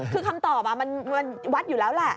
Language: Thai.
คือคำตอบมันวัดอยู่แล้วแหละ